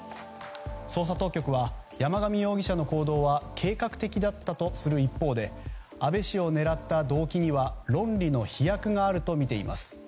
捜査当局は、山上容疑者の行動は計画的だったとする一方で安倍氏を狙った動機には論理の飛躍があるとみています。